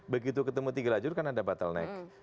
begitu ketemu tiga lajur kan ada bottleneck